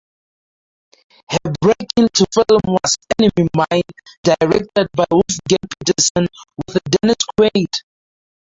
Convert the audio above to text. Her break into film was "Enemy Mine" directed by Wolfgang Petersen with Dennis Quaid.